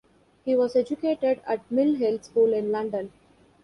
He was educated at Mill Hill School in London.